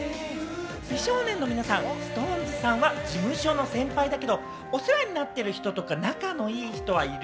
美少年の皆さんは、ＳｉｘＴＯＮＥＳさんは事務所の先輩だけど、お世話になっている人とか仲の良い人はいる？